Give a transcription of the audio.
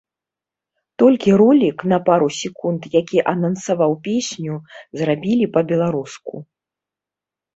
Толькі ролік на пару секунд, які анансаваў песню, зрабілі па-беларуску.